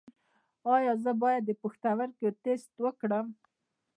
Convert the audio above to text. ایا زه باید د پښتورګو ټسټ وکړم؟